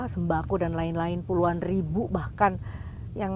sembako dan lain lain puluhan ribu bahkan